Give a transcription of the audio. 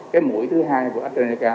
cái mũi thứ hai của astrazeneca